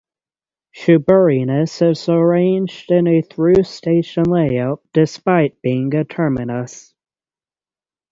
Shoeburyness is arranged in a through-station layout despite being a terminus.